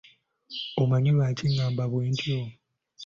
Omanyi Lwaki ngamba bwentyo?